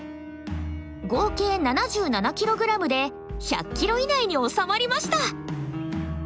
合計７７ｋｇで１００ｋｇ以内に収まりました。